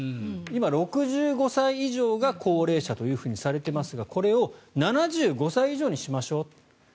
今、６５歳以上が高齢者とされていますがこれを７５歳以上にしましょう。